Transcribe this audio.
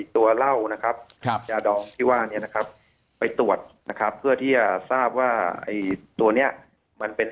ตัวเหล้านะครับยาดองที่ว่านี้นะครับไปตรวจนะครับเพื่อที่จะทราบว่าไอ้ตัวเนี้ยมันเป็น